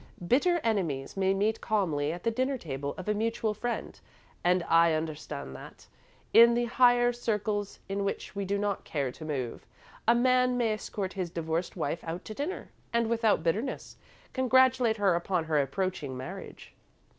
Bitter enemies may meet calmly at the dinner table of a mutual friend, and I understand that, in the higher circles in which we do not care to move, a man may escort his divorced wife out to dinner, and, without bitterness, congratulate her upon her approaching marriage."